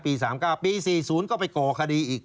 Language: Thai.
๓๙ปี๔๐ก็ไปก่อคดีอีก